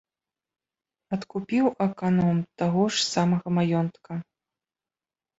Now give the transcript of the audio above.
Адкупіў аканом таго ж самага маёнтка.